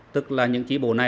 tức là những trí bổ nào